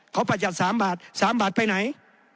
เขาประจัด๓บาท๓บาทไปไหน